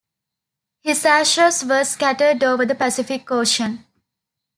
His ashes were scattered over the Pacific Ocean.